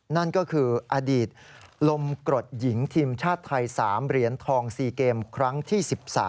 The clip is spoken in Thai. นั่นก็คืออดีตลมกรดหญิงทีมชาติไทย๓เหรียญทอง๔เกมครั้งที่๑๓